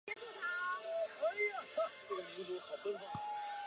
艾奥瓦镇区为美国堪萨斯州多尼芬县辖下的镇区。